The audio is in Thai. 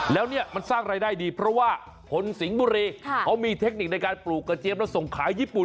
แล้วสร้างรายได้ดีเพราะว่าผลสิงบุเรเขามีเทคนิคในการปลูกกระเจ๊บเขาส่งขายญี่ปุ่น